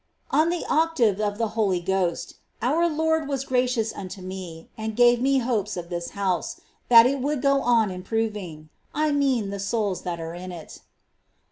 On the Octave of the Holy Ghost, our Lord was gracious unto me, and gave me hopes of this house,^ that it would go on improving — I mean the souls that are in it.